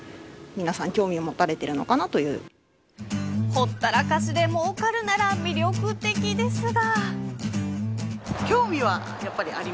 ほったらかしで儲かるなら魅力的ですが。